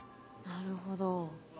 なるほど。